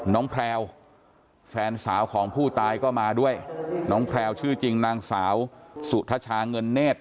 แพลวแฟนสาวของผู้ตายก็มาด้วยน้องแพลวชื่อจริงนางสาวสุทชาเงินเนธ